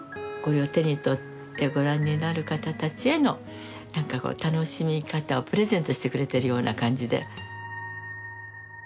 これを手に取ってご覧になる方たちへのなんかこう楽しみ方をプレゼントしてくれてるような感じで。